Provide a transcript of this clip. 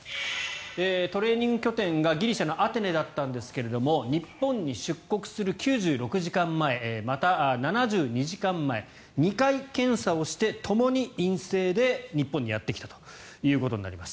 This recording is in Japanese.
トレーニング拠点がギリシャのアテネだったんですが日本へ出国する９６時間前また、７２時間前２回検査をしてともに陰性で、日本にやってきたということになります。